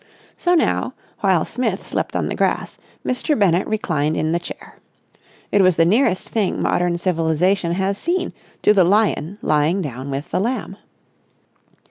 So now, while Smith slept on the grass, Mr. Bennett reclined in the chair. It was the nearest thing modern civilisation has seen to the lion lying down with the lamb.